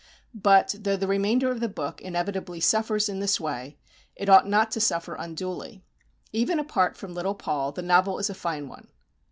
But though the remainder of the book inevitably suffers in this way, it ought not to suffer unduly. Even apart from little Paul the novel is a fine one.